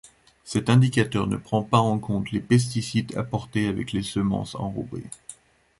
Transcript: Cet indicateur ne prend pas en compte les pesticides apportés avec les semences enrobées.